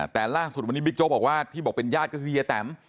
แต่ล่าสุดวันนี้บิ๊กโจ๊กบอกว่าที่บอกเป็นญาติก็คือเฮียแตม